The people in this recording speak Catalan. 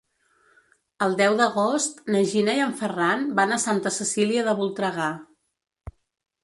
El deu d'agost na Gina i en Ferran van a Santa Cecília de Voltregà.